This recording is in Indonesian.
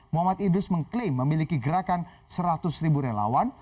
muhammad idrus mengklaim memiliki gerakan seratus ribu relawan